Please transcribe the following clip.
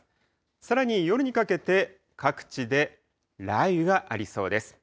さらに夜にかけて、各地で雷雨がありそうです。